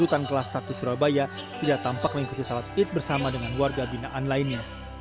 rutan kelas satu surabaya tidak tampak mengikuti salat id bersama dengan warga binaan lainnya